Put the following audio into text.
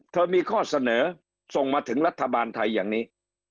เธอมีข้อเสนอส่งมาถึงรัฐบาลไทยอย่างนี้